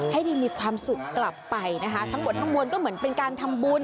ให้ดีมีความสุขกลับไปนะคะทั้งหมดทั้งมวลก็เหมือนเป็นการทำบุญ